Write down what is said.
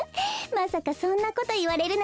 まさかそんなこといわれるなんて